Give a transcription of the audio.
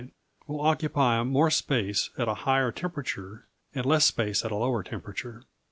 will occupy more space at a higher temperature, and less space at a lower temperature.